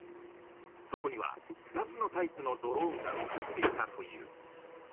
そこには２つのタイプのドローンが写っていたという。